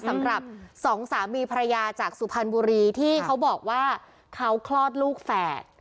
สำหรับสองสามีภรรยาจากสุพรรณบุรีที่เขาบอกว่าเขาคลอดลูกแฝด